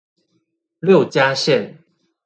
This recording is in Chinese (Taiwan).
六家線